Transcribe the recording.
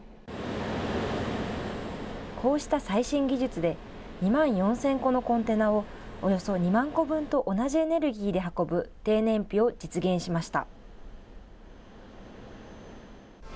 こうした最新技術で２万４０００個のコンテナをおよそ２万個分と同じエネルギーで運ぶ低燃費を実現しました。